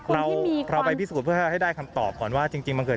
เราไปพิสูจน์เพื่อให้ได้คำตอบก่อนว่าจริงมันเกิด